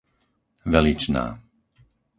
Veličná